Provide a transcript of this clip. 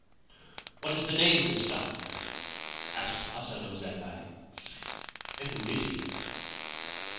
' What is the name of this doctor ?' asked Asano Zembei, * and who is he